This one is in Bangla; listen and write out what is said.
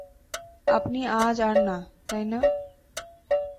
আপনি-আজ আর না, তাই না?